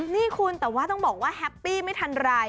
นี่คุณแต่ว่าต้องบอกว่าแฮปปี้ไม่ทันไร